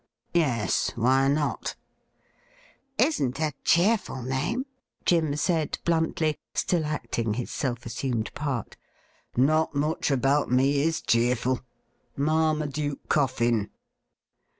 ' Yes — why not .'''' Isn't a cheerful name,' Jim said bluntly, still acting his self assumed part. ' Not much about me is cheerful. Marmaduke Coffin.'